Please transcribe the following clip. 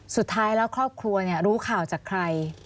สุดท้ายแล้วครอบครัวรู้ข่าวจากใคร